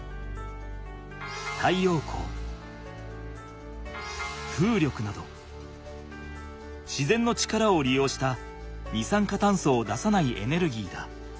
太陽光風力などしぜんの力をりようした二酸化炭素を出さないエネルギーだ。